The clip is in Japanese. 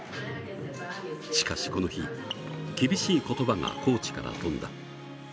しかし、この日厳しい言葉がコーチから飛んだ。